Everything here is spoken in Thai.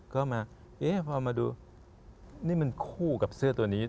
ก็มาเอ๊ะพอมาดูนี่มันคู่กับเสื้อตัวนี้